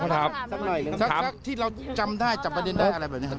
สักที่เราจำได้จับประเด็นได้อะไรแบบนี้ครับ